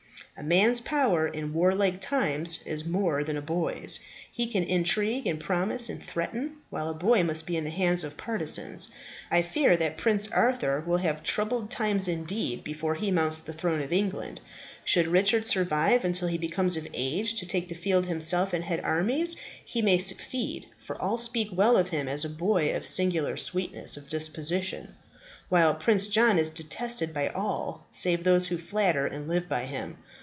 A man's power, in warlike times, is more than a boy's. He can intrigue and promise and threaten, while a boy must be in the hands of partisans. I fear that Prince Arthur will have troubled times indeed before he mounts the throne of England. Should Richard survive until he becomes of age to take the field himself and head armies, he may succeed, for all speak well of him as a boy of singular sweetness of disposition, while Prince John is detested by all save those who flatter and live by him.